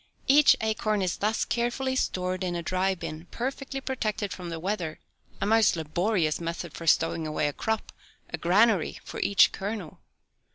Each acorn is thus carefully stored in a dry bin, perfectly protected from the weather, a most laborious method of stowing away a crop, a granary for each kernel.